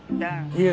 いえ